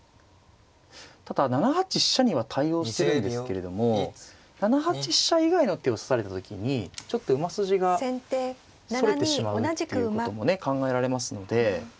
ただ７八飛車には対応してるんですけれども７八飛車以外の手を指された時にちょっと馬筋がそれてしまうっていうこともね考えられますので。